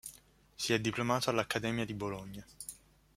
Si è diplomato all'Accademia di Bologna.